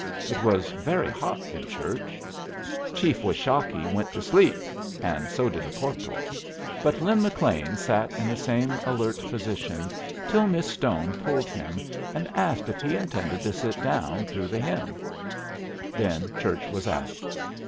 It was very hot in church. Chief Washakie went to sleep, and so did a corporal; but Lin McLean sat in the same alert position till Miss Stone pulled him and asked if he intended to sit down through the hymn. Then church was out.